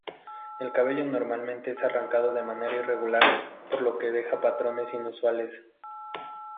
El cabello normalmente es arrancado de manera irregular, por lo que deja patrones inusuales.